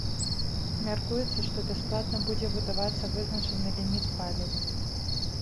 Мяркуецца, што бясплатна будзе выдавацца вызначаны ліміт паліва.